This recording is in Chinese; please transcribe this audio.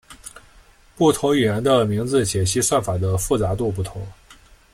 不同语言的名字解析算法的复杂度不同。